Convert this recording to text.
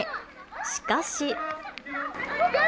しかし。